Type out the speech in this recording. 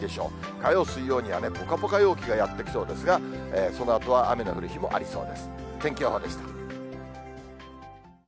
火曜、水曜にはぽかぽか陽気がやって来そうですが、そのあとは雨自分の尻尾がきらいだ